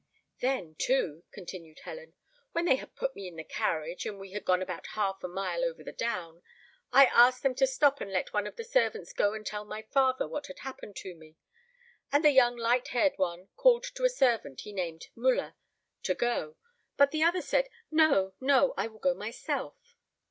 "Then, too," continued Helen, "when they had put me in the carriage, and we had gone about half a mile over the down, I asked them to stop and let one of their servants go and tell my father what had happened to me; and the young light haired one called to a servant he named 'Müller,' to go; but the other said, 'No, no! I will go myself.